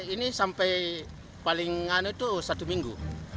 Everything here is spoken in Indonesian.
ini sampai paling anu itu satu minggu